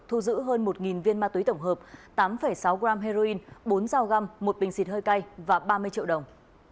thu giữ hơn một viên ma túy tổng hợp tám sáu gram heroin bốn dao găm một bình xịt hơi cay và ba mươi triệu đồng